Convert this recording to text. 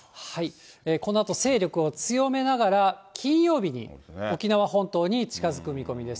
このあと勢力を強めながら、金曜日に沖縄本島に近づく見込みです。